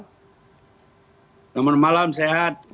selamat malam sehat